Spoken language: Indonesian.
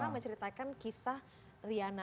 jadi kita ceritakan kisah riana